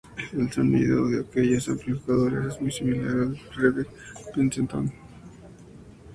El sonido de aquellos amplificadores es muy similar al de Fender Princeton.